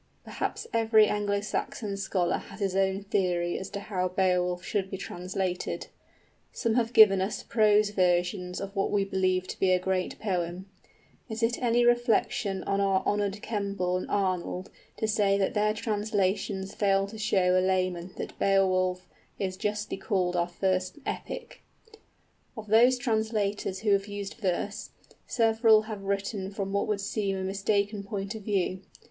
Perhaps every Anglo Saxon scholar has his own theory as to how Beowulf should be translated. Some have given us prose versions of what we believe to be a great poem. Is it any reflection on our honored Kemble and Arnold to say that their translations fail to show a layman that Beowulf is justly called our first epic? Of those translators who have used verse, several have written from what would seem a mistaken point of view.